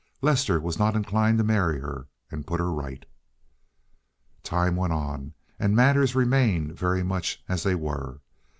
Lester was not inclined to marry her and put her right. Time went on and matters remained very much as they were.